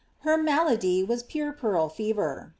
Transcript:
Her malady was puerperal fever.